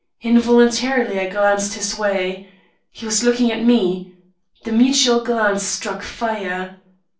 Involuntarily I glanced his way. He was looking at me. The mutual glance struck fire.